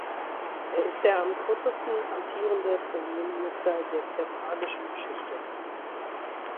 Er ist der am kürzesten amtierende Premierminister der peruanischen Geschichte.